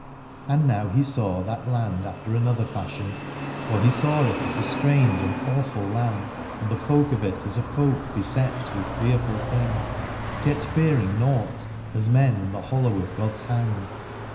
And now he saw that land after another fashion : for he saw it as a strange and awful land, and the folk of it as a folk beset with fearful things, yet fearing nought, as men in the hollow of God's hand.